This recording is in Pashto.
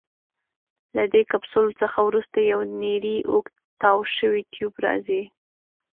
له دې کپسول څخه وروسته یو نیری اوږد تاو شوی ټیوب راځي.